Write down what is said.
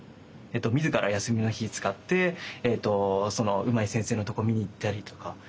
自ら休みの日使ってうまい先生のとこ見に行ったりとか。